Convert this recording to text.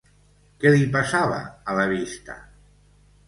Què li passava a la vista?